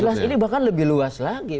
sebelas ini bahkan lebih luas lagi